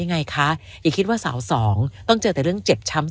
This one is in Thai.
ไงคะอย่าคิดว่าสาวสองต้องเจอแต่เรื่องเจ็บช้ำ